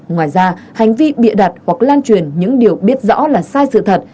ngoài ra hành vi bịa đặt hoặc lan truyền những điều biết rõ là sai sự thật